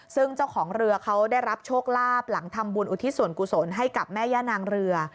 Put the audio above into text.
ซึ่งเจ้าของเรือเขาได้รับโชคลาภหลังทำบุญอุทิศส่วนกุศลให้กับแม่ย่านางเรือ